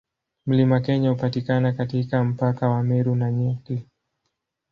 Mlima Kenya hupatikana katika mpaka wa Meru na Nyeri.